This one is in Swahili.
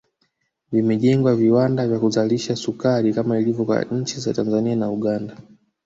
Vimejengwa viwanda vya kuzalisha sukari kama ilivyo kwa nchi za Tanzania na Uganda